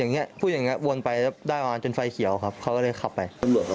ก็พูดอย่างไรนะวนไปได้วางจนไฟเขียวเขาเลยขับไป